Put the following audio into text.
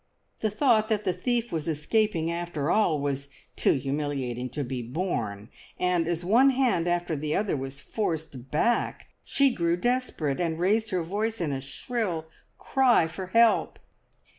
The thought that the thief was escaping after all was too humiliating to be borne, and as one hand after the other was forced back she grew desperate, and raised her voice in a shrill cry for help.